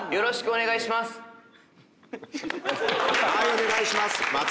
お願いします。